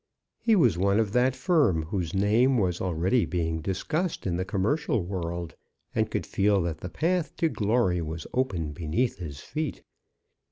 He was one of that firm whose name was already being discussed in the commercial world, and could feel that the path to glory was open beneath his feet.